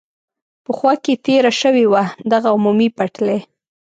په خوا کې تېره شوې وه، دغه عمومي پټلۍ.